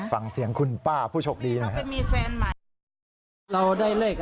ฟังเสียงคุณป้าผู้ชกดีนะครับ